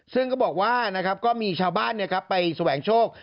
ซึ่งบอกว่าก็มีชาวบ้านไปแสวงโชค